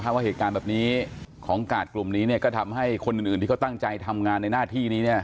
ว่าเหตุการณ์แบบนี้ของกาดกลุ่มนี้ก็ทำให้คนอื่นที่เขาตั้งใจทำงานในหน้าที่นี้